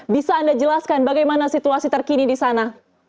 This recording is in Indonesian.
bisa anda jelaskan bagaimana situasi terkini di sana